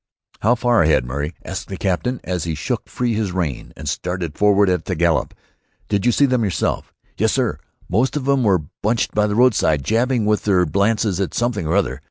"How far ahead, Murray?" asked the captain, as he shook free his rein and started forward at the gallop. "Did you see them yourself?" "Yes, sir. Most of 'em were bunched by the roadside, jabbing with their lances at something or other.